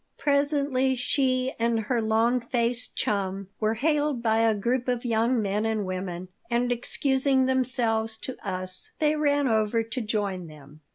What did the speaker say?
Presently she and her long faced chum were hailed by a group of young men and women, and, excusing themselves to us, they ran over to join them.